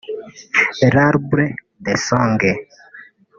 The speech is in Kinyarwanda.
L’Arbre Des Songes"